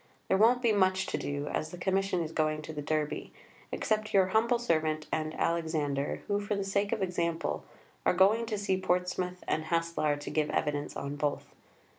There won't be much to do, as the Commission is going to the Derby, except your humble servant and Alexander, who, for the sake of example, are going to see Portsmouth and Haslar to give evidence on both.